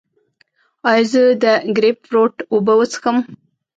ایا زه د ګریپ فروټ اوبه وڅښم؟